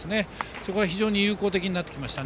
そこが非常に有効的になってきました。